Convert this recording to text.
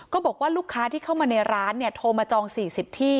ก็บอกว่าลูกค้าที่เข้ามาในร้านเนี่ยโทรมาจองสี่สิบที่